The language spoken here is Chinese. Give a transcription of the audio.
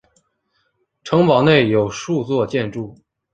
城堡内有数座建筑。